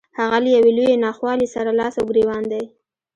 هغه له يوې لويې ناخوالې سره لاس او ګرېوان دی.